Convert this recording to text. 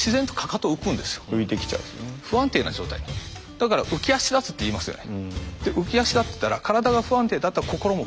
だから「浮き足だつ」っていいますよね。